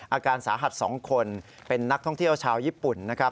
อาการสาหัส๒คนเป็นนักท่องเที่ยวชาวญี่ปุ่นนะครับ